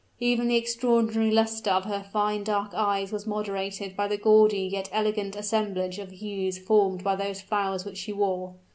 Even the extraordinary luster of her fine dark eyes was moderated by the gaudy yet elegant assemblage of hues formed by those flowers which she wore.